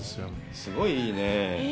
すごいいいねえ。